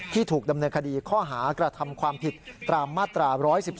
ถูกดำเนินคดีข้อหากระทำความผิดตามมาตรา๑๑๒